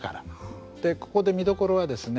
ここで見どころはですね